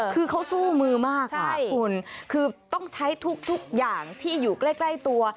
คือเขาสู้มือมากค่ะคุณคือต้องใช้ทุกอย่างที่อยู่ใกล้ตัว